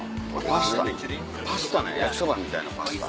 パスタパスタね焼きそばみたいなパスタ。